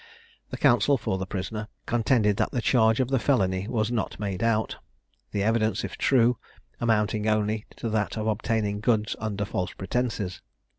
The counsel for the prisoner contended that the charge of the felony was not made out, the evidence, if true, amounting only to that of obtaining goods under false pretences.